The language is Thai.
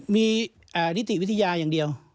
มีนิติวิทยาอย่างเดียว